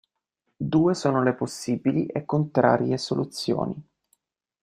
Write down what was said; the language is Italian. Due sono le possibili e contrarie soluzioni.